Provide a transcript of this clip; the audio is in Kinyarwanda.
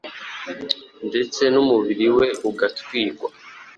ndetse n'umubiri we ugatwikwa.